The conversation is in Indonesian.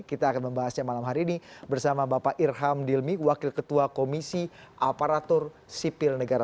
kita akan membahasnya malam hari ini bersama bapak irham dilmi wakil ketua komisi aparatur sipil negara